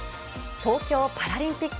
東京パラリンピック。